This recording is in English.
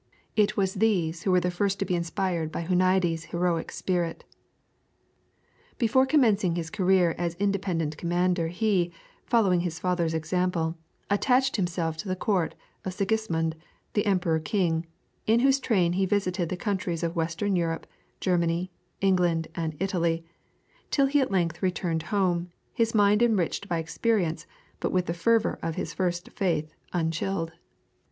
It was these who were the first to be inspired by Huniades' heroic spirit. Before commencing his career as independent commander he, following his father's example, attached himself to the court of Sigismund, the Emperor king, in whose train he visited the countries of Western Europe, Germany, England, and Italy, till he at length returned home, his mind enriched by experience but with the fervor of his first faith unchilled.